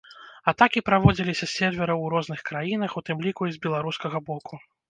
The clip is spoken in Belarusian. Атакі праводзіліся з сервераў у розных краінах, у тым ліку і з беларускага боку.